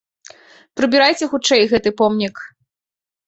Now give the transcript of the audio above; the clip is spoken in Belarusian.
Прыбірайце хутчэй гэты помнік.